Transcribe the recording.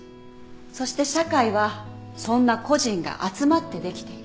そして社会はそんな個人が集まってできている。